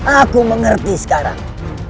aku mengerti sekarang